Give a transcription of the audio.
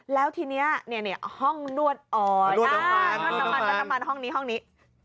แล้วทีนี้ห้องนวดออยล์นวดน้ำมันห้องนี้